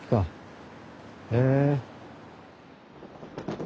へえ。